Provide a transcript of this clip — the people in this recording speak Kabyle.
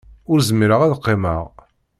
Ur zmireɣ ad qqimeɣ.